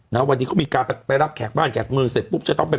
นะวันนี้เขามีการไปรับแขกบ้านแขกเมืองเสร็จปุ๊บจะต้องไป